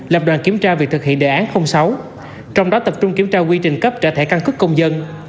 lập đoàn kiểm tra việc thực hiện đề án sáu trong đó tập trung kiểm tra quy trình cấp trả thẻ căn cước công dân